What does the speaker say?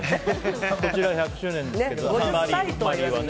こちら１００周年ですけどマリーはね。